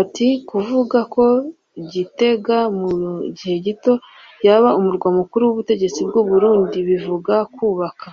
Ati ‘‘Kuvuga ko Gitega mu gihe gito yaba umurwa mukuru w’ubutegetsi bw’u Burundi bivuga kubaka